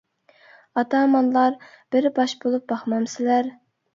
ئاتامانلار بىر باش بولۇپ باقمامسىلەر؟ !